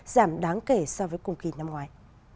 giảm đáng kể so với cùng kỳ năm ngoài